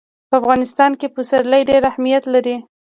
په افغانستان کې پسرلی ډېر اهمیت لري.